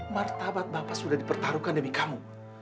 martabat bapak sudah dipertaruhkan demi kamu